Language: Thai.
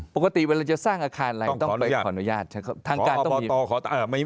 ปกติเวลาจะสร้างอาคารอะไรต้องไปขออนุญาตนะครับ